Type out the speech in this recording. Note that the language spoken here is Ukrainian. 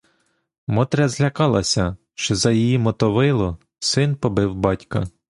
Мотря злякалась, що за її мотовило син побив батька.